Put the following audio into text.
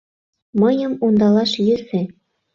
Мыйым ондалаш йӧсӧ.